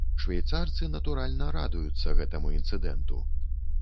Швейцарцы, натуральна, радуюцца гэтаму інцыдэнту.